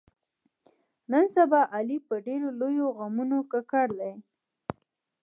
نن سبا علي په ډېرو لویو غمونو ککړ دی.